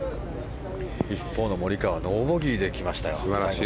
一方のモリカワノーボギーで来ましたよ。